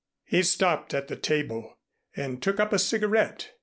He stopped at the table and took up a cigarette.